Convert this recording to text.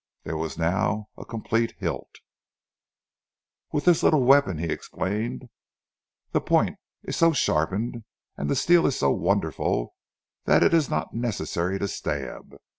There was now a complete hilt. "With this little weapon," he explained, "the point is so sharpened and the steel so wonderful that it is not necessary to stab.